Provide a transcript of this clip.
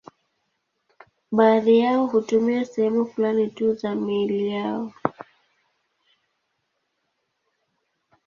Baadhi yao hutumia sehemu fulani tu za miili yao.